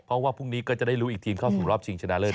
เพราะว่าพรุ่งนี้ก็จะได้รู้อีกทีมเข้าสู่รอบชิงชนะเลิศ